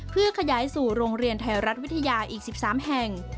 เพื่อขยายสู่โรงเรียนไทยรัฐวิทยาอีก๑๓แห่ง